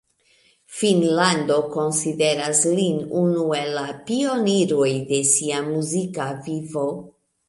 Finnlando konsideras lin unu el la pioniroj de sia muzika vivo.